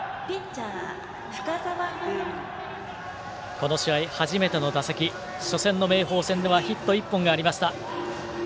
この試合、初めての打席初戦の明豊戦ではヒット１本がありました。